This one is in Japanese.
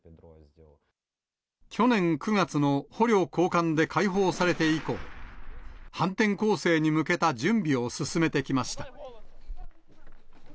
去年９月の捕虜交換で解放されて以降、反転攻勢に向けた準備を進めてきました。